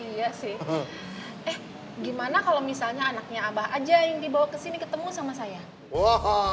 iya sih eh gimana kalau misalnya anaknya abah aja yang dibawa ke sini ketemu sama saya